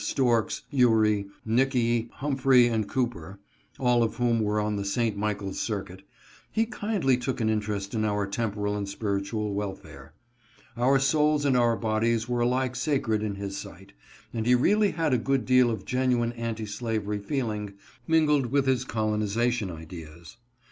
Storks, Ewry, Nicky, Humphrey, and Cooper (all of whom were on the St. Michaels circuit), he kindly took an inter est in our temporal and spiritual welfare. Our souls and our bodies were alike sacred in his sight, and he really had a good deal of genuine anti slavery feeling mingled With his colonization ideas.